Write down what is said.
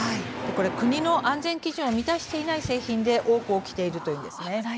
国の安全基準を満たしていない製品で多く起きているということです。